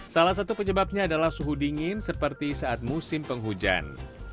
salah satu penyebabnya adalah suhu dingin seperti saat musim penghujan